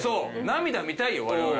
涙見たいよ我々。